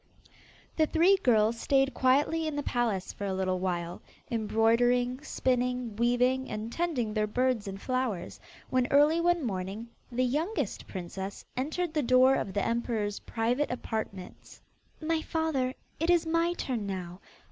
The three girls stayed quietly in the palace for a little while, embroidering, spinning, weaving, and tending their birds and flowers, when early one morning, the youngest princess entered the door of the emperor's private apartments. 'My father, it is my turn now.